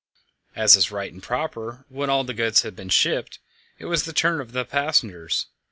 As is right and proper, when all the goods had been shipped, it was the turn of the passengers.